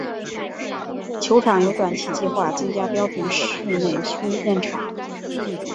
球场有短期计划增加标准室内训练场。